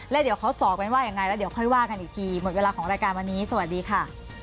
แล้วเดี๋ยวเขาสอบกันว่ายังไงแล้วเดี๋ยวค่อยว่ากันอีกทีหมดเวลาของรายการวันนี้สวัสดีค่ะ